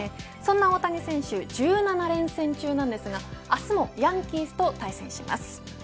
そんな大谷選手１７連戦中なんですが明日もヤンキースと対戦します。